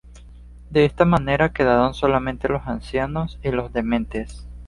De esta manera quedaron solamente los ancianos y los dementes.